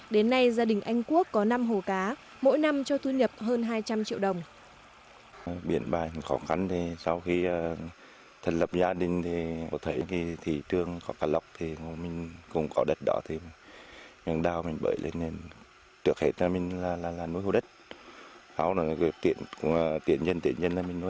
đến nay gia đình anh quốc có năm hồ cá mỗi năm cho thu nhập hơn hai trăm linh triệu đồng